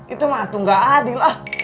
itu mah atuh nggak adil